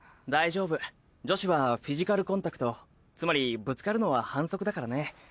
大丈夫女子はフィジカルコンタクトつまりぶつかるのは反則だからね。